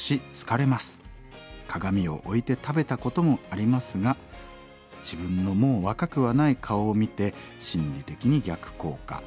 鏡を置いて食べたこともありますが自分のもう若くはない顔を見て心理的に逆効果でした。